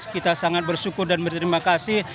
kita sangat bersyukur dan berterima kasih